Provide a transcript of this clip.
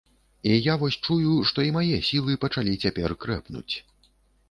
І я вось чую, што і мае сілы пачалі цяпер крэпнуць.